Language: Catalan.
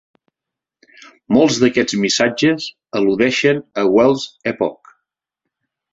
Molts d'aquests missatges al·ludeixen a Wells Epoch.